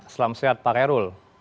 selamat sihat pak kairul